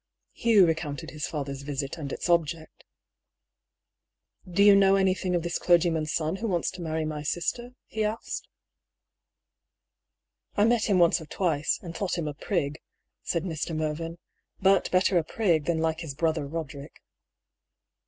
Hugh recounted his father's visit and its object. " Do you know anything of this clergyman son who wants to marry my sister ?" he asked. " I met him once or twice, and thought him a prig," (((( 110 DR. PAULL'S THEORY. said Mr. Mervyn. " But better a prig, than like his brother Roderick."